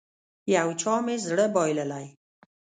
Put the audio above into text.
يو چا مې زړه بايللی.